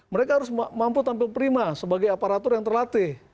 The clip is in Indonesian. mereka harus mampu tampil prima sebagai aparatur yang terlatih